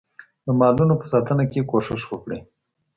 د مالونو په ساتنه کي کوښښ وکړئ.